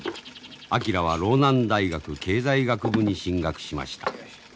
昭は浪南大学経済学部に進学しました。